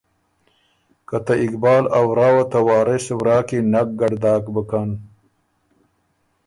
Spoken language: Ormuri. که ته اقبال ا ورا وه ته وارث ورا کی نک ګډ داک بُکن،